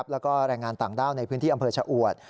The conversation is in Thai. แล้วก็แรงงานต่างด้าวในพื้นที่อำเภอชะอวด